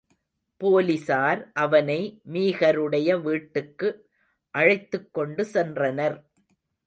போலிஸார் அவனை மீகருடைய வீட்டுக்கு அழைத்துக்கொண்டு சென்றனர்.